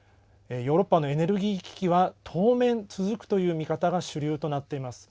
ヨーロッパのエネルギー危機は当面続くという見方が主流となっています。